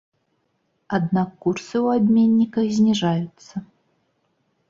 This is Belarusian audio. Аднак курсы ў абменніках зніжаюцца.